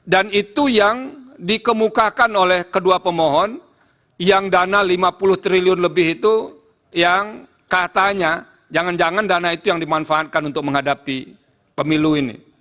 dan itu yang dikemukakan oleh kedua pemohon yang dana rp lima puluh triliun lebih itu yang katanya jangan jangan dana itu yang dimanfaatkan untuk menghadapi pemilu ini